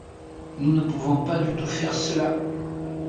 Nous ne pouvons pas du tout faire cela!